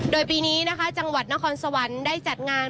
โดยปีนี้นะคะจังหวัดนครสวรรค์ได้จัดงาน